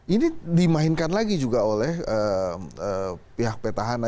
ini dimainkan lagi juga oleh pihak petahana